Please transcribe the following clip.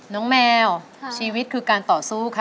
น้องแมวชีวิตคือการต่อสู้ค่ะ